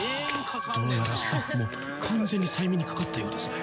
「どうやらスタッフも完全に催眠にかかったようですね」